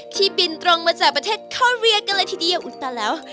ที่บินตรงมาจากประเทศคอนเวียกันเลยทีเดียวอุตาแล้ว